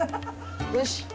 よし！